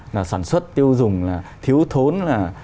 là sản xuất tiêu dùng là thiếu thốn